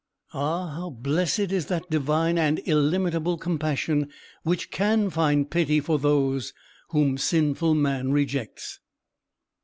Ah, how blessed is that Divine and illimitable compassion which can find pity for those whom sinful man rejects!